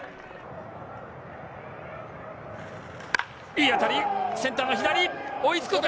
いい当たり、センターの左、追いつくか？